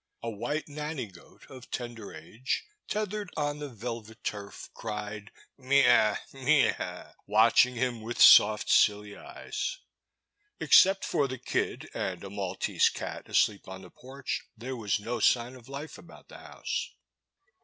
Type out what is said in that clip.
A white nanny goat of tender age, tethered on the velvet turf, cried '*me — h! me — ^h ! watching him with soft silly eyes. Except for the kid, and a Maltese cat asleep on the porch, there was no sign of life about the house.